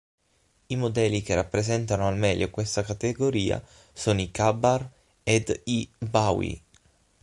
I modelli che rappresentano al meglio questa categoria sono i ka-bar ed i bowie.